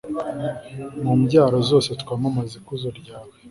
mu mbyaro zose twamamaze ikuzo ryawe